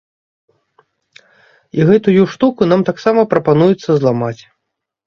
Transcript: І гэтую штуку нам таксама прапануецца зламаць.